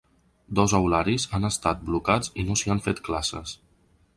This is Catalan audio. Dos aularis han estat blocats i no s’hi han fet classes.